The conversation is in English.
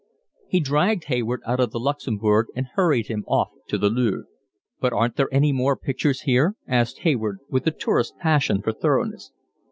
He dragged Hayward out of the Luxembourg and hurried him off to the Louvre. "But aren't there any more pictures here?" asked Hayward, with the tourist's passion for thoroughness.